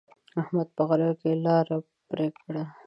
احمد په غره کې لاره پرې کړه.